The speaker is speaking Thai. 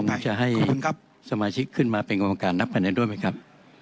คุณจะให้สมาชิกขึ้นมาเป็นคำขอเข้ามาการเนาบคะแนนด้วยมั้ยครับ